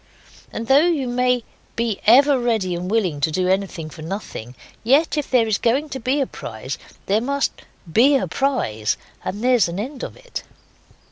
And though you may be ever ready and willing to do anything for nothing, yet if there's going to be a prize there must BE a prize and there's an end of it.